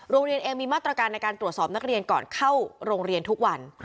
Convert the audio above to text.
โรงเรียนเองมีมาตรการในการตรวจสอบนักเรียนก่อนเข้าโรงเรียนทุกวัน